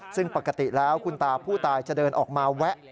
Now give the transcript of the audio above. ซึ่งปกติแล้วคุณตาผู้ตายจะเดินออกมาแวะ